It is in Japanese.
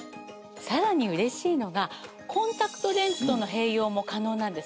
さらに嬉しいのがコンタクトレンズとの併用も可能なんです。